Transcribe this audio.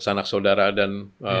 sanak saudara dan